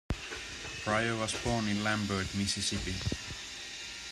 Pryor was born in Lambert, Mississippi.